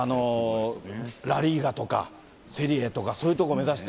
ラリーガとか、セリエとか、そういうところ目指して。